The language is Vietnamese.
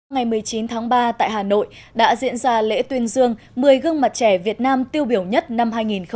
ngày một mươi chín tháng ba tại hà nội đã diễn ra lễ tuyên dương một mươi gương mặt trẻ việt nam tiêu biểu nhất năm hai nghìn một mươi chín